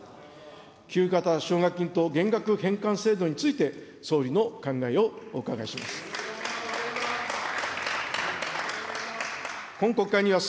給付型奨学金と減額返還制度について、総理の考えをお伺いします。